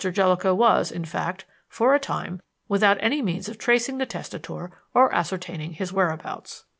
Jellicoe was, in fact, for a time without any means of tracing the testator or ascertaining his whereabouts.